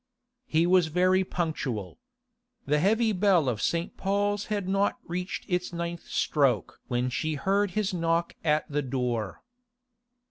... He was very punctual. The heavy bell of St. Paul's had not reached its ninth stroke when she heard his knock at the door.